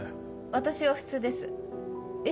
私は普通ですえ？